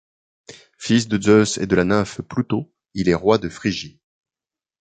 Fils de Zeus et de la nymphe Ploutô, il est roi de Phrygie.